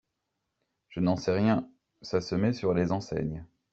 Je n’en sais rien… ça se met sur les enseignes.